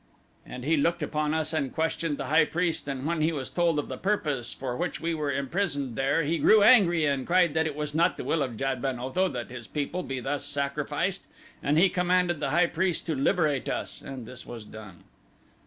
And he looked upon us and questioned the high priest and when he was told of the purpose for which we were imprisoned there he grew angry and cried that it was not the will of Jad ben Otho that his people be thus sacrificed, and he commanded the high priest to liberate us, and this was done.